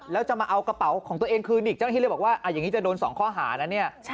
แล้วจะมาเอากระเป๋าของตัวเองคืนอีกอย่างนี้จะโดน๒ข้อหานะเนี่ย